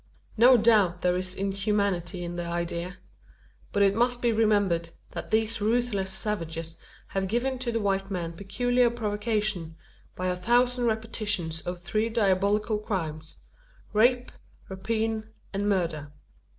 No doubt there is inhumanity in the idea. But it must be remembered, that these ruthless savages have given to the white man peculiar provocation, by a thousand repetitions of three diabolical crimes rape, rapine, and murder.